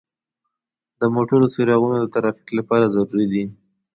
د موټرو څراغونه د ترافیک لپاره ضروري دي.